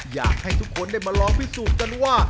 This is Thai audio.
อยากให้ทุกคนได้มาลองพิสูจน์กันว่า